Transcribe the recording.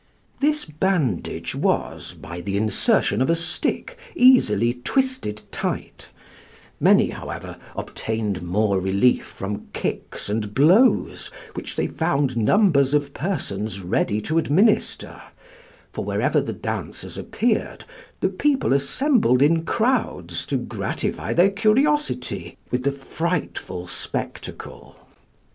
This bandage was, by the insertion of a stick, easily twisted tight: many, however, obtained more relief from kicks and blows, which they found numbers of persons ready to administer: for, wherever the dancers appeared, the people assembled in crowds to gratify their curiosity with the frightful spectacle.